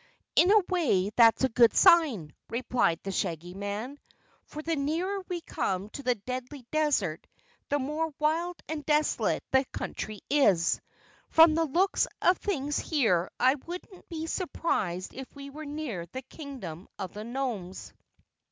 "In a way that's a good sign," replied the Shaggy Man. "For the nearer we come to the Deadly Desert the more wild and desolate the country is. From the looks of things here I wouldn't be surprised if we were near the Kingdom of the Nomes."